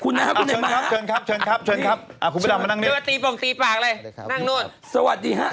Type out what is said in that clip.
นอนไม่มีแล้ว